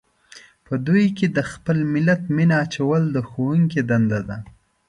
په دوی کې د خپل ملت مینه اچول د ښوونکو دنده ده.